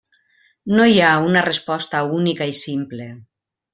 No hi ha una resposta única i simple.